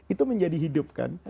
itu menjadi hidup kan